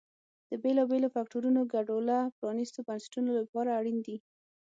د بېلابېلو فکټورونو ګډوله پرانیستو بنسټونو لپاره اړین دي.